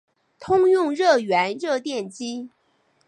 通用热源热电机。